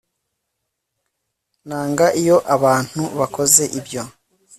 nanga iyo abantu bakoze ibyo